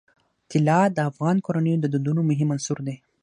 طلا د افغان کورنیو د دودونو مهم عنصر دی.